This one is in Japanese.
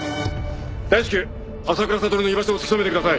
大至急浅倉悟の居場所を突き止めてください。